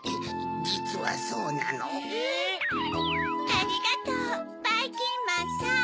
ありがとうばいきんまんさん。